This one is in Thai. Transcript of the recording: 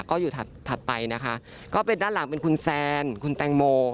ก็อยู่ถัดถัดไปนะคะก็เป็นด้านหลังเป็นคุณแซนคุณแตงโม